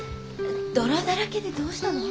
泥だらけでどうしたの？